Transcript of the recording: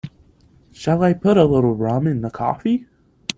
Shall I put a little rum in the coffee?